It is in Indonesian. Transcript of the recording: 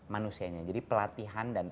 manusianya jadi pelatihan dan